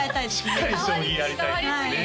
しっかり将棋やりたいんですね